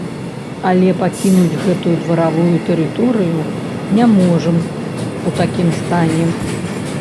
Але пакінуць гэтую дваравую тэрыторыю не можам у такім стане.